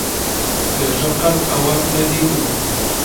پێشتر قەت ئەوەم نەدیتبوو.